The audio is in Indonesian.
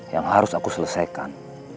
yang harus aku selesaikan